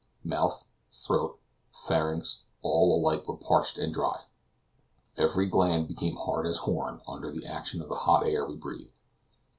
Mouth, throat, pharynx, all alike were parched and dry, every gland becoming hard as horn under the action of the hot air we breathed.